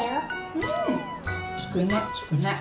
うんつくねつくね。